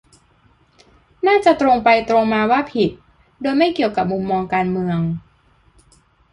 น่าจะตรงไปตรงมาว่าผิด โดยไม่เกี่ยวกับมุมมองการเมือง